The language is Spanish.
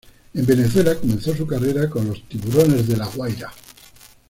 En Venezuela comenzó su carrera con los Tiburones de La Guaira.